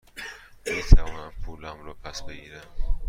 می توانم پولم را پس بگیرم؟